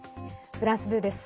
フランス２です。